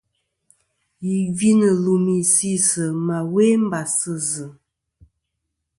Yì gvi nɨ̀ lùmì si sɨ ma we mbas sɨ zɨ.